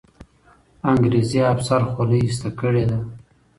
انګریزي افسر خولۍ ایسته کړې ده.